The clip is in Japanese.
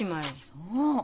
そう。